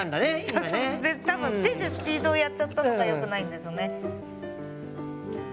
多分手でスピードをやっちゃったのがよくないんですね。